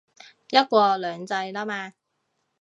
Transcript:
一國兩制喇嘛